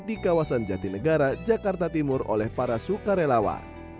di kawasan jatinegara jakarta timur oleh para sukarelawan